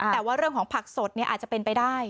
แต่ว่าเรื่องของผักสดอาจจะเป็นไปได้